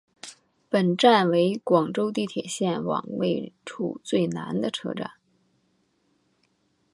本站为广州地铁线网位处最南的车站。